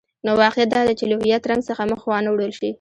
نو واقعیت دادی چې له هویت رنګ څخه مخ وانه ړول شي.